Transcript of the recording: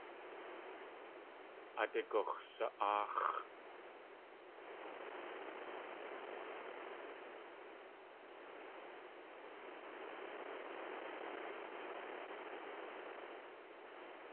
Aadé gux̲sa.áax̲.